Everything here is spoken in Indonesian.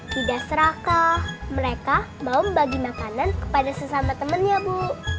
tidak serakah mereka mau membagi makanan kepada sesama temannya bu